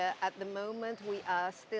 saat ini kita masih